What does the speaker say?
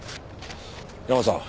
ヤマさん。